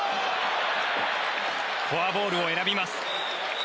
フォアボールを選びます。